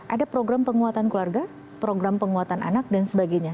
ada program penguatan keluarga program penguatan anak dan sebagainya